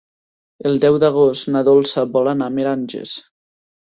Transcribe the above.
El deu d'agost na Dolça vol anar a Meranges.